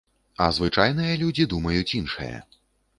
А звычайныя людзі думаюць іншае.